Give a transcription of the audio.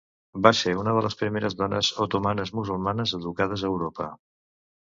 Va ser una de les primeres dones otomanes musulmanes educades a Europa.